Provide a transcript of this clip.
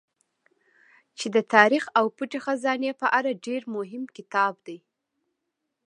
چې د تاريڅ او پټې خزانې په اړه ډېر اهم کتاب دی